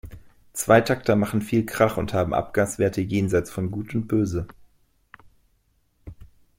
Zweitakter machen viel Krach und haben Abgaswerte jenseits von Gut und Böse.